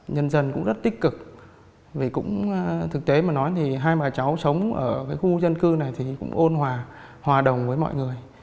nhân dân cũng rất tích cực vì cũng thực tế mà nói thì hai bà cháu sống ở cái khu dân cư này thì cũng ôn hòa hòa đồng với mọi người